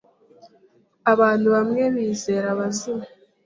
Abantu bamwe bizera abazimu.